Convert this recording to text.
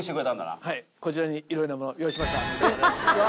はいこちらにいろいろなもの用意しました。